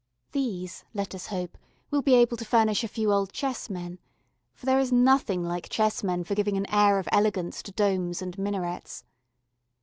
These, let us hope, will be able to furnish a few old chessmen, for there is nothing like chessmen for giving an air of elegance to domes and minarets.